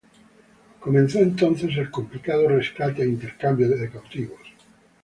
Comenzó entonces el complicado rescate e intercambio de cautivos.